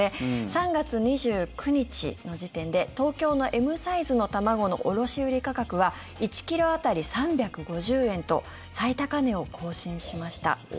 ３月２９日の時点で東京のＭサイズの卵の卸売価格は１ｋｇ当たり３５０円と最高値を更新しました。